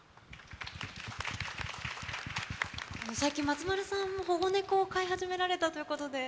最近、松丸さんも保護猫を飼い始められたということで。